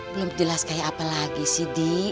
belum jelas kayak apa lagi sih di